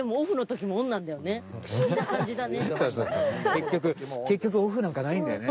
結局結局オフなんかないんだよね？